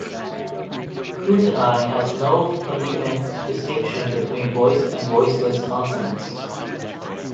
Kutenai has no phonemic distinction between voiced and voiceless consonants.